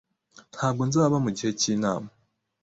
Ntabwo nzaba mugihe cyinama.